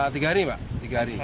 tiga hari pak tiga hari